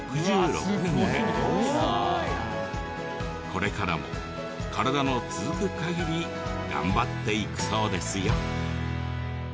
これからも体の続く限り頑張っていくそうですよ。